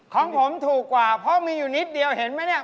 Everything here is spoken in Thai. ของผมถูกกว่าเพราะมีอยู่นิดเดียวเห็นไหมเนี่ย